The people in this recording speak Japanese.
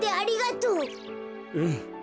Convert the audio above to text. うん。